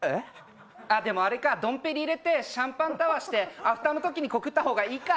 でもあれか、ドンペリ入れてシャンパンタワーしてアフターのときに告ったほうがいいか。